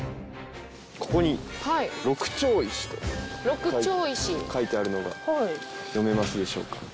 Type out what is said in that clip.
ここに「六町石」と書いてあるのが読めますでしょうか？